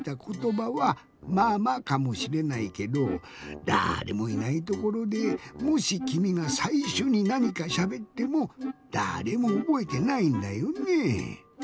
ことばは「ママ」かもしれないけどだれもいないところでもしきみがさいしょになにかしゃべってもだれもおぼえてないんだよねぇ。